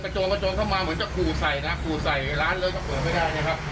โจรกระโจนเข้ามาเหมือนจะขู่ใส่นะขู่ใส่ร้านเลยก็เปิดไม่ได้นะครับ